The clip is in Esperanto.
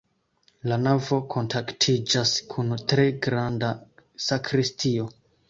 La navo kontaktiĝas kun tre granda sakristio.